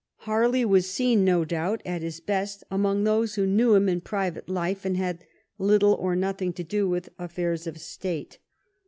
Harley was seen, no doubt^ at his best among those who knew him in private life and had little or nothing to do with affairs of state.